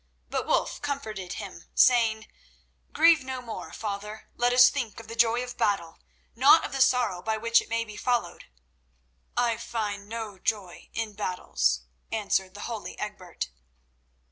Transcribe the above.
But Wulf comforted him, saying: "Grieve no more, father; let us think of the joy of battle, not of the sorrow by which it may be followed." "I find no joy in battles," answered the holy Egbert.